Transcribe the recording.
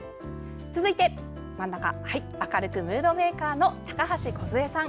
続いて、明るくムードメーカーの高橋こず恵さん。